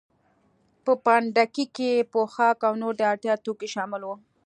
په پنډکي کې پوښاک او نور د اړتیا توکي شامل وو.